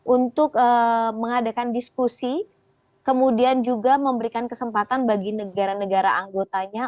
untuk mengadakan diskusi kemudian juga memberikan kesempatan bagi negara negara anggotanya